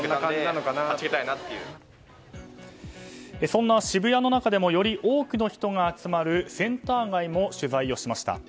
そんな渋谷の中でもより多くの人が集まるセンター街も取材しました。